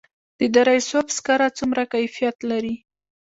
د دره صوف سکاره څومره کیفیت لري؟